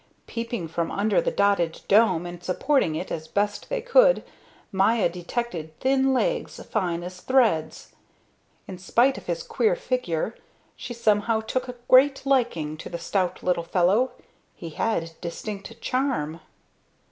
Peeping from under the dotted dome and supporting it as best they could Maya detected thin legs fine as threads. In spite of his queer figure, she somehow took a great liking to the stout little fellow; he had distinct charm.